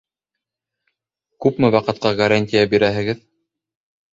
Күпме ваҡытҡа гарантия бирәһегеҙ?